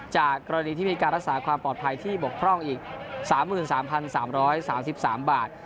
จากกรณีที่มีการรักษาความปลอดภัยที่บกพร่องอีก๓๓บาท